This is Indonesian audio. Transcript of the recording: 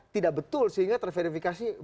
tidak betul sehingga terverifikasi